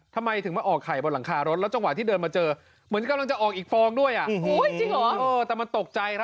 แต่ไก่ตัวนี้มันออกไข่